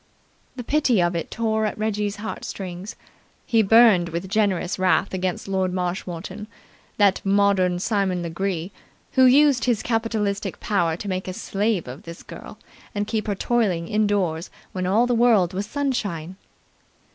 The pity of it tore at Reggie's heart strings. He burned with generous wrath against Lord Marshmoreton, that modern Simon Legree, who used his capitalistic power to make a slave of this girl and keep her toiling indoors when all the world was sunshine.